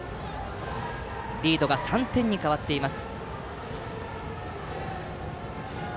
リードが３点に変わっています。